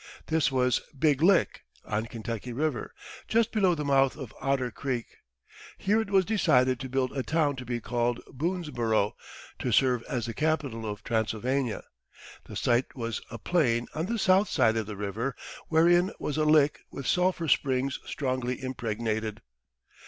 This was Big Lick, on Kentucky River, just below the mouth of Otter Creek. Here it was decided to build a town to be called Boonesborough, to serve as the capital of Transylvania. The site was "a plain on the south side of the river, wherein was a lick with sulphur springs strongly impregnated."